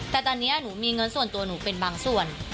แต่ตอนนี้หนูมีเงินส่วนตัวหนูเป็นบางส่วน